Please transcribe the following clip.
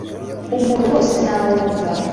Umuruho sinawumva